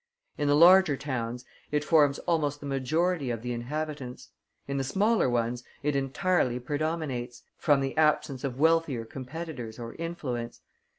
In the larger towns it forms almost the majority of the inhabitants; in the smaller ones it entirely predominates, from the absence of wealthier competitors or influence.